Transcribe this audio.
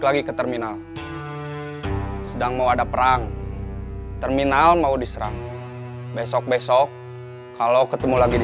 lagi ke terminal sedang mau ada perang terminal mau diserang besok besok kalau ketemu lagi di